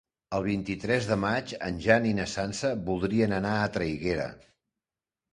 El vint-i-tres de maig en Jan i na Sança voldrien anar a Traiguera.